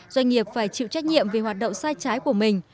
doanh nghiệp phải chịu trách nhiệm về hoạt động sai trái của mình